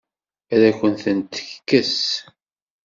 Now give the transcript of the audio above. Ad akent-tent-tekkes?